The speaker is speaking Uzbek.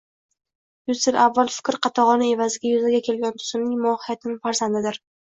yuz yil avval fikr qatag‘oni evaziga yuzaga kelgan tuzumning mohiyatan «farzandi»dir.